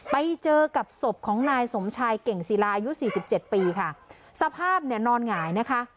ไปเจอกับศพของนายสมชายเก่งศิลาอายุสี่สิบเจ็ดปีค่ะสภาพเนี่ยนอนหงายนะคะ